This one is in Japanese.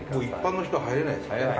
一般の人は入れないですよね？